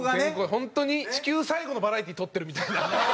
本当に地球最後のバラエティー撮ってるみたいな。